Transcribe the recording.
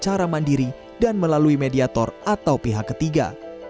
secara mandiri dan melalui mediator atau pihak ketiga